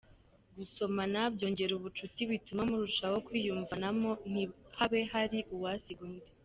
Gusomana byongera ubucuti, bituma murushaho kwiyumvanamo, ntihabe hari uwasiga undi.